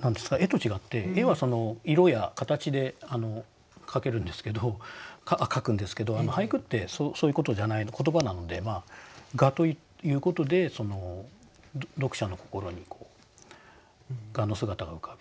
何ですか絵と違って絵は色や形で描くんですけど俳句ってそういうことじゃない言葉なので蛾ということで読者の心に蛾の姿が浮かぶ。